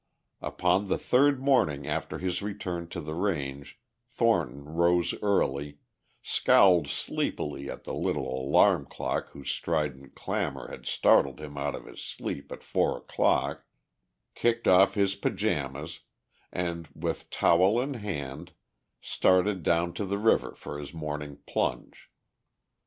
Upon the third morning after his return to the range Thornton rose early, scowled sleepily at the little alarm clock whose strident clamour had startled him out of his sleep at four o'clock, kicked off his pajamas and with towel in hand started down to the river for his morning plunge.